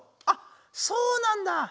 あっそうなんだ！